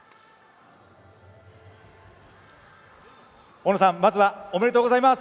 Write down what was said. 大野さん、まずはおめでとうございます。